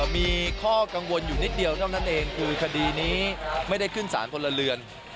มีข้อกังวลอยู่นิดเดียวเท่านั้นเองคือคดีนี้ไม่ได้ขึ้นสารพลเรือน